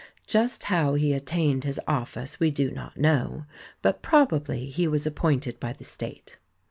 Just how he attained his office, we do not know, but probably he was appointed by the state.